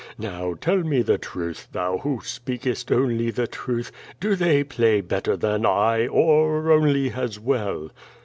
Now tell me the truth, thou Avho speakest only the truth, do they play better than I, or only as well?''